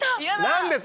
何です